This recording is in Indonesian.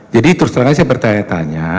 jadi terus terang saya bertanya tanya